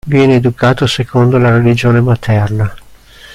Viene educato secondo la religione materna.